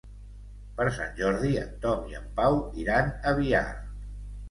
Per Sant Jordi en Tom i en Pau iran a Biar.